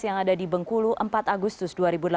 yang ada di bengkulu empat agustus dua ribu delapan belas